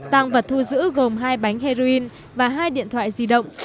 tăng vật thu giữ gồm hai bánh heroin và hai điện thoại di động